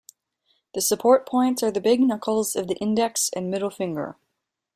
The support points are the big knuckles of the index and middle finger.